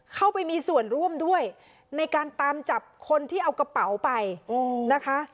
เข้าไปมีส่วนร่วมด้วยในการตามจับคนที่เอากระเป๋าไปนะคะ